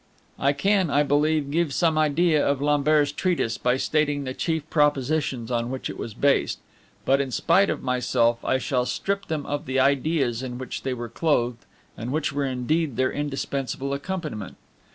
I can, I believe, give some idea of Lambert's Treatise by stating the chief propositions on which it was based; but, in spite of myself, I shall strip them of the ideas in which they were clothed, and which were indeed their indispensable accompaniment.